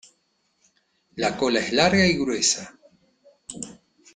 La cola es larga y gruesa.